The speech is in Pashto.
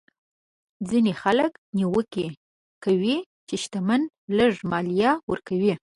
ځینې خلک نیوکه کوي چې شتمن لږه مالیه ورکوي.